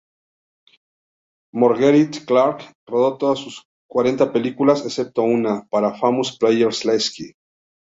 Marguerite Clark rodó todas sus cuarenta películas, excepto una, para Famous Players-Lasky.